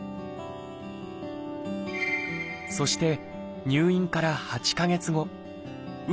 そして入院から８か月後運